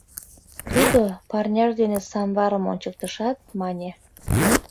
Тудо, парняж дене самварым ончыктышат, мане: